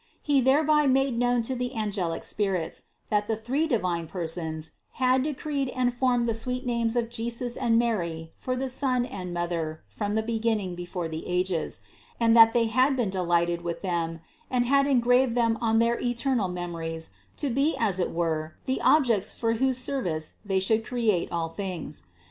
He thereby made known to the angelic spirits, that the three divine Persons, had decreed and formed the sweet names of Jesus and Mary for the Son and Mother from the beginning before the ages, and that they had been delighted with them and had engraved them on their eternal memories to be as it were the Ob jects for whose service They should create all things.